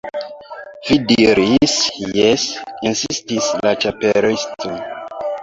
"Vi diris 'jes'" insistis la Ĉapelisto.